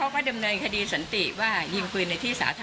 ไปพูดอย่างนี้เราเสียหาย